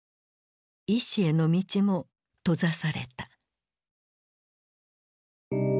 医師への道も閉ざされた。